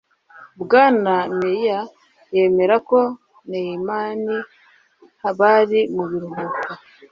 bwana meier yemera ko neumanns bari mu biruhuko